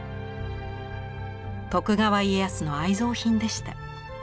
徳川家康の愛蔵品でした。